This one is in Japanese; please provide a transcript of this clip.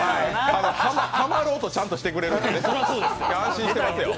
ハマろうと、ちゃんとしてくれるんで、今日は安心していますよ。